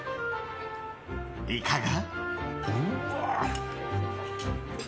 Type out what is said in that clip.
いかが？